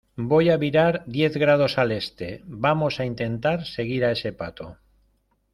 voy a virar diez grados al Este. vamos a intentar seguir a ese pato .